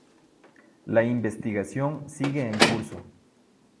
La investigación sigue en curso.